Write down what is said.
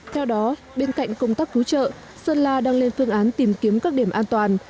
theo đó bên cạnh công tác cứu trợ sơn la đang lên phương án tìm kiếm các điểm an toàn